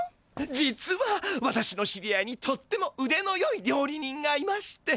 実はわたしの知り合いにとってもうでのよいりょうり人がいまして。